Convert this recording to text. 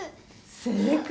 正解！